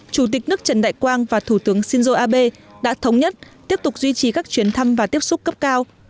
chủ tịch nước trần đại quang và thủ tướng shinzo abe đã thống nhất tiếp tục duy trì các chuyến thăm và tiếp xúc cấp cao